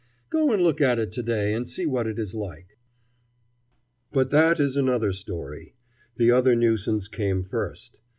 Go and look at it to day and see what it is like. But that is another story. The other nuisance came first.